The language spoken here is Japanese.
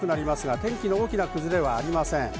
天気の大きな崩れはありません。